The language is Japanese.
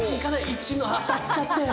１の当たっちゃったよ